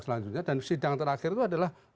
selanjutnya dan sidang terakhir itu adalah